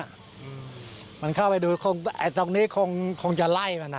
อันนี้ผู้หญิงบอกว่าช่วยด้วยหนูไม่ได้เป็นอะไรกันเขาจะปั้มหนูอะไรอย่างนี้